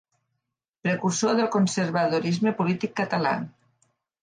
Precursor del conservadorisme polític català.